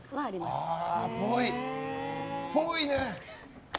っぽいね。